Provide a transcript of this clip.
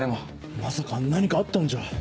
まさか何かあったんじゃ。